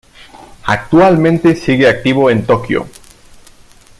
Actualmente sigue activo en Tokio.